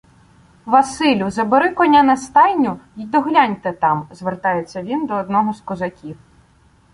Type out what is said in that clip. — Василю! Забери коня на стайню й догляньте там, — звертається він до одного з козаків.